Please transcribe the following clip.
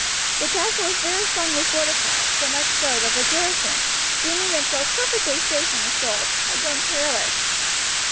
The castle was very strongly fortified, so much so that the garrison, deeming themselves perfectly safe from assault, had grown careless.